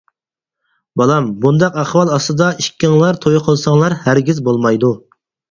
-بالام بۇنداق ئەھۋال ئاستىدا ئىككىڭلار توي قىلساڭلار ھەرگىز بولمايدۇ.